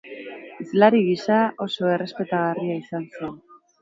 Hizlari gisa, oso errespetagarria izan zen.